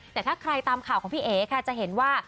แต่ถ้าใครตามข่าวของพี่เอ๋ค่ะจะเห็นว่า